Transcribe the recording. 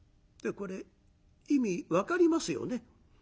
これ意味分かりますよね？